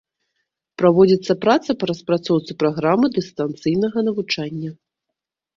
Праводзіцца праца па распрацоўцы праграмы дыстанцыйнага навучання.